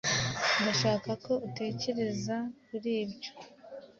Ndashaka ko utekereza kuri ibyo.